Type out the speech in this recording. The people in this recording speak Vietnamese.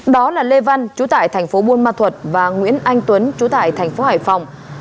đó là lê văn chú tải tp buôn ma thuật và nguyễn anh tuấn chú tải tp hải phòng